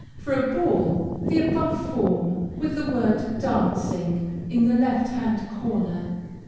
For a ball, the above form, with the word Dancing, in the left hand corner.